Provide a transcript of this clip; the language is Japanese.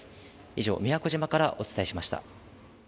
以上、宮古島からお伝えしました。